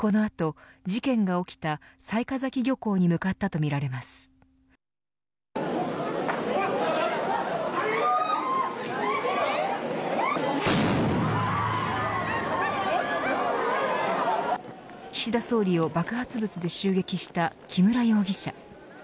この後、事件が起きた雑賀崎漁港に向かったと岸田総理を爆発物で襲撃した木村容疑者。